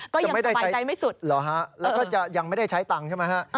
ก็ยังสบายใจไม่สุดเหรอฮะแล้วก็ยังไม่ได้ใช้ตังค์ใช่ไหมฮะ